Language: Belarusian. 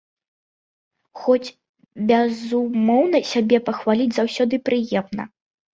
Хоць, безумоўна, сябе пахваліць заўсёды прыемна.